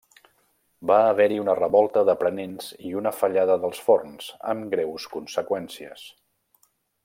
Va haver-hi una revolta d'aprenents i una fallada dels forns, amb greus conseqüències.